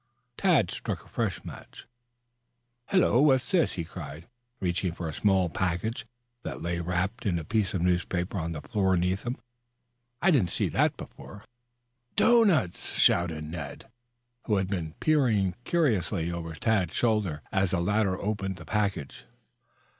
Tad struck a fresh match. "Hello, what's this?" he cried, reaching for a small package that lay wrapped in a piece of newspaper on the floor near him. "I didn't see that before." "Doughnuts!" shouted Ned, who had been peering curiously over Tad's shoulder as the latter opened the package.